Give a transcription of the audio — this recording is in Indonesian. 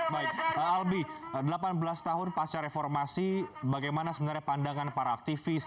baik albi delapan belas tahun pasca reformasi bagaimana sebenarnya pandangan para aktivis